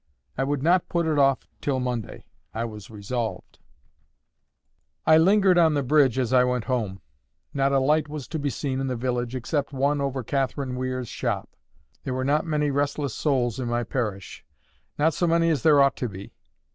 I would not put it off till Monday, I was resolved. I lingered on the bridge as I went home. Not a light was to be seen in the village, except one over Catherine Weir's shop. There were not many restless souls in my parish—not so many as there ought to be.